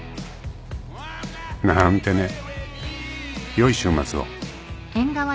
［なーんてね良い週末を］